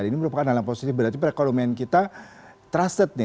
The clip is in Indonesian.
ini merupakan aliran positif berarti perekonomian kita trusted nih